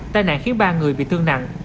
tai nạn khiến ba người bị thương nặng